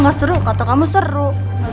gak seru kata kamu seru